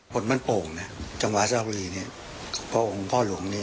คนมันโป่งเนี่ยจังหวะเศรษฐกรีย์เนี่ยพ่อหลวงพ่อหลวงนี้